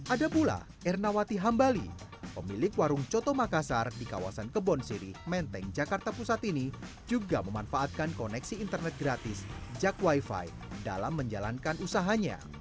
ada pula ernawati hambali pemilik warung coto makassar di kawasan kebon siri menteng jakarta pusat ini juga memanfaatkan koneksi internet gratis jak wifi dalam menjalankan usahanya